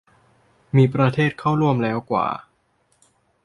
มีประเทศเข้าร่วมแล้วกว่า